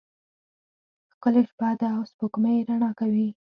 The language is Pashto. ښکلی شپه ده او سپوږمۍ رڼا کوي.